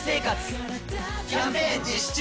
キャンペーン実施中！